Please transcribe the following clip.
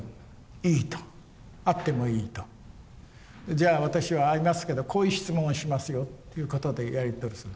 じゃあ私は会いますけどこういう質問をしますよっていうことでやり取りする。